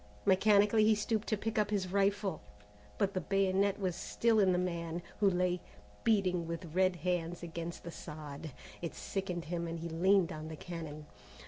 Mechanically he stooped to pick up his rifle, but the bayonet was still in the man, who lay, beating with red hands against the sod. It sickened him and he leaned on the cannon.